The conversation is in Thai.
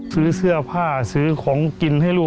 ซื้อเสื้อผ้าซื้อของกินให้ลูก